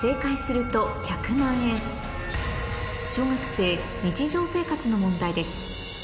小学生日常生活の問題です